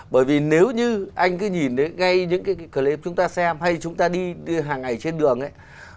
bởi vì nếu như anh cứ nhìn thấy ngay những cái clip chúng ta xem hay chúng ta đi hàng ngày trên đường ấy